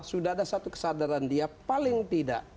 sudah ada satu kesadaran dia paling tidak